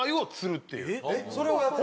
それをやってるの？